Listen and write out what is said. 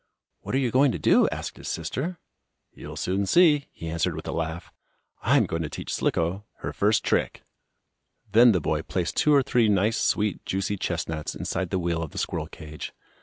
"What are you going to do?" asked his sister. "You'll soon see," he answered with a laugh. "I am going to teach Slicko her first trick." Then the boy placed two or three nice, sweet, juicy chestnuts inside the wheel of the squirrel cage.